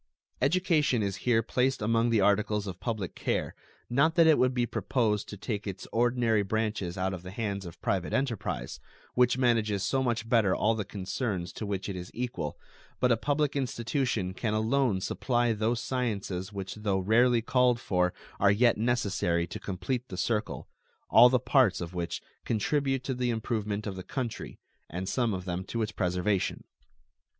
Education is here placed among the articles of public care, not that it would be proposed to take its ordinary branches out of the hands of private enterprise, which manages so much better all the concerns to which it is equal, but a public institution can alone supply those sciences which though rarely called for are yet necessary to complete the circle, all the parts of which contribute to the improvement of the country and some of them to its preservation.